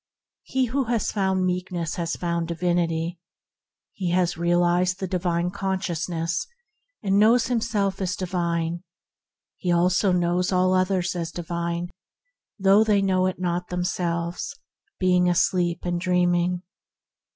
He that has found Meekness has found divinity; he has realized the divine con sciousness, and knows himself as^ divine. 116 THE HEAVENLY LIFE He also knows all others as divine, though they know it not themselves, being asleep and dreaming.